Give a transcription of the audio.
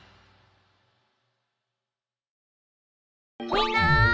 みんな！